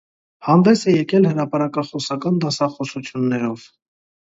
Հանդես է եկել հրապարակախոսական դասախոսություններով։